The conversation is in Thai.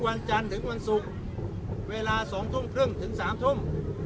วันจันทร์ถึงวันศุกร์เวลา๒ทุ่มครึ่งถึง๓ทุ่ม